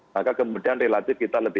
maka kemudian relatif kita lebih